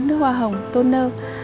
nước hoa hồng toner